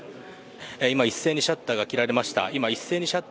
今、一斉にシャッターが切られました。